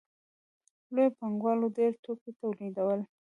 لویو پانګوالو ډېر توکي تولیدول